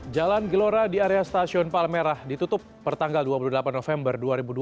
jalan gelora di area stasiun palmerah ditutup pertanggal dua puluh delapan november dua ribu dua puluh